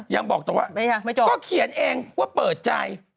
ยังบอกต่อว่าก็เขียนเองว่าเปิดใจ